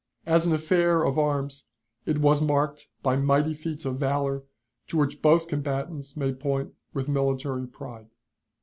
As an affair of arms it was marked by mighty feats of valor to which both combatants may point with military pride.